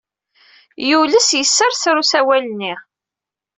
Yules yesserser usawal-nni.